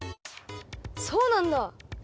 そうなんだ！